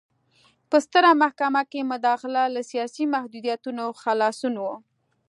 په ستره محکمه کې مداخله له سیاسي محدودیتونو خلاصون و.